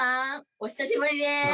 お久しぶりです。